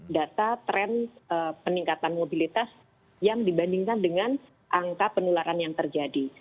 data tren peningkatan mobilitas yang dibandingkan dengan angka penularan yang terjadi